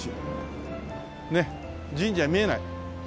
ねえ神社見えない。